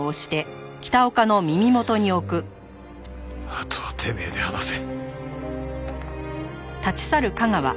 あとはてめえで話せ。